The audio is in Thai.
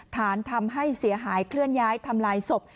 ฐานทำให้เสียหายเคลื่อนย้ายทำลายศพ